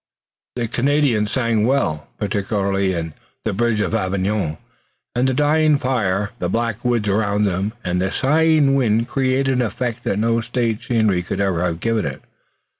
The Canadians sang well, particularly in "The Bridge of Avignon," and the dying fire, the black woods around them and the sighing wind created an effect that no stage scenery could ever have given it.